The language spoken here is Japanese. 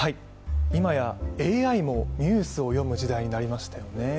今や、ＡＩもニュースを読む時代になりましたよね。